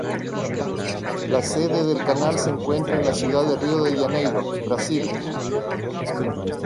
La sede del canal se encuentra en la ciudad de Rio de Janeiro, Brasil.